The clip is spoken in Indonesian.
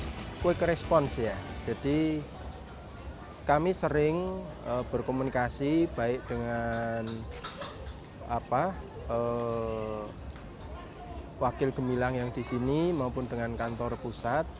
yang pertama memang quick response ya jadi kami sering berkomunikasi baik dengan wakil gemilang yang disini maupun dengan kantor pusat